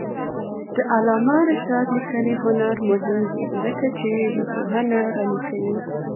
د علامه رشاد لیکنی هنر مهم دی ځکه چې ژبپوهنه غني کوي.